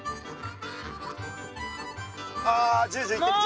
ああジュジュ言ってる。